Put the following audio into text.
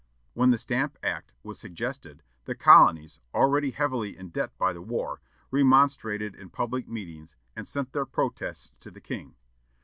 When the Stamp Act was suggested, the colonies, already heavily in debt by the war, remonstrated in public meetings, and sent their protests to the king.